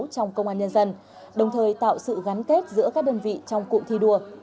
trong công an nhân dân đồng thời tạo sự gắn kết giữa các đơn vị trong cụm thi đua